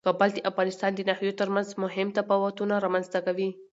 کابل د افغانستان د ناحیو ترمنځ مهم تفاوتونه رامنځ ته کوي.